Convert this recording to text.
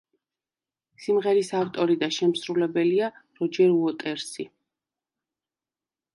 სიმღერის ავტორი და შემსრულებელია როჯერ უოტერსი.